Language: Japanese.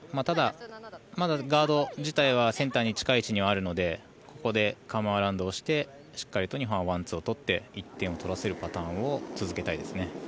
ただ、ガード自体はまだセンターに近い位置にはあるのでここでカム・アラウンドをしてしっかりと日本はワン、ツーを取って１点を取らせるパターンを続けたいですね。